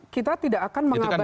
kita tidak akan mengabaikan